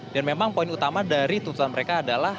dan memang poin utama dari tuntutan mereka adalah